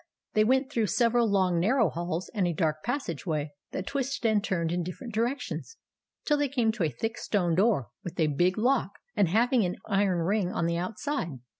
They went through several long, narrow halls and a dark pas sage way that twisted and turned in differ ent directions, till they came to a thick stone door with a big lock, and having an iron ring on the outside.